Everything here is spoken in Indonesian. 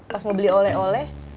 pas mau beli oleh oleh